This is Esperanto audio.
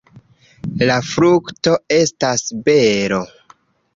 La frukto estas bero.